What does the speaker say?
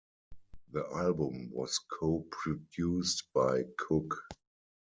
The album was co-produced by Cook.